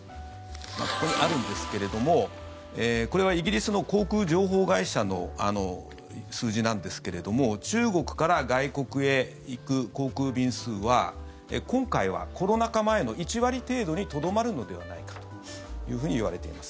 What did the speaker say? ここにあるんですけれどもこれはイギリスの航空情報会社の数字なんですけれども中国から外国へ行く航空便数は今回はコロナ禍前の１割程度にとどまるのではないかといわれています。